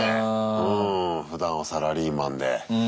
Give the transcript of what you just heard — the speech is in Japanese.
うんふだんはサラリーマンで。